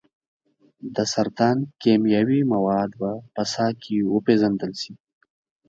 د سرطان کیمیاوي مواد به په ساه کې وپیژندل شي.